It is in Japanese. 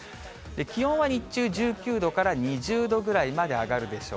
気温は日中１９度から２０度ぐらいまで上がるでしょう。